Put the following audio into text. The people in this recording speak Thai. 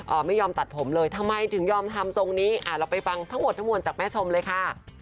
ไม่ยอมตัดผมเลยทำไมถึงยอมทำตรงนี้อ่าเราไปฟังทั้งหมดทั้งมวลจากแม่ชมเลยค่ะ